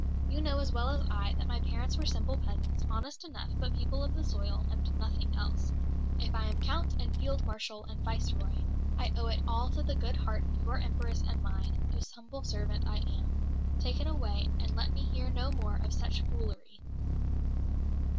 "You know as well as I that my parents were simple peasants, honest enough, but people of the soil and nothing else. If I am Count and Field Marshal and Viceroy, I owe it all to the good heart of your Empress and mine, whose humble servant I am. Take it away, and let me hear no more of such foolery."